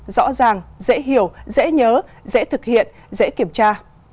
rõ ràng dễ hiểu dễ nhớ dễ thực hiện dễ kiểm tra